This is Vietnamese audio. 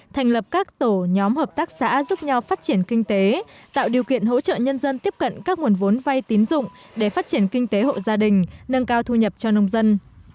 thành lập các tổ nhóm hợp tác xã giúp nhau phát triển kinh tế tạo điều kiện hỗ trợ nhân dân tiếp cận các nguồn vốn vay tín dụng để phát triển kinh tế hộ gia đình nâng cao thu nhập cho nông dân